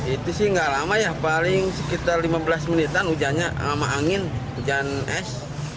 itu sih nggak lama ya paling sekitar lima belas menitan hujannya lama angin hujan es